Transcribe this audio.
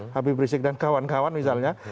habib rizik dan kawan kawan misalnya